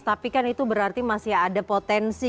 tapi kan itu berarti masih ada potensi